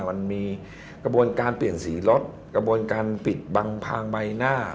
มันมีกระบวนการเปลี่ยนสีรถกระบวนการปิดบังพางใบหน้า